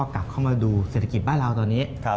กลับเข้ามาดูเศรษฐกิจบ้านเราตอนนี้